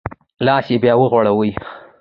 لاس یې بیا وغوړوی.